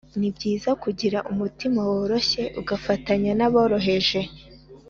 ni byiza kugira umutima woroshye ugafatanya n’aboroheje,